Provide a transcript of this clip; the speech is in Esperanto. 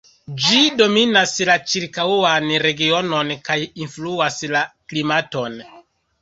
Ĝi dominas la ĉirkaŭan regionon kaj influas la klimaton.